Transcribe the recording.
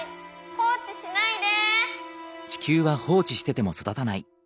放置しないで。